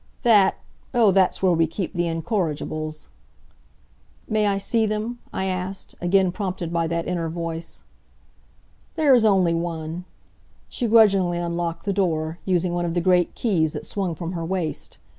"That oh, that's where we keep the incorrigibles." "May I see them?" I asked, again prompted by that inner voice. "There is only one." She grudgingly unlocked the door, using one of the great keys that swung from her waist.